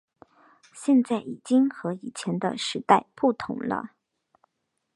现在已经和以前的时代不同了